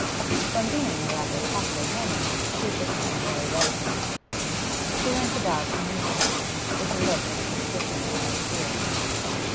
From being a rather talkative woman she had become very reticent; she went about uneasily, with a look of suspicion or of fear.